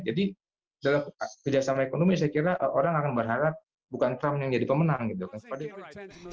jadi dalam kerjasama ekonomi saya kira orang akan berharap bukan trump yang jadi pemenang gitu kan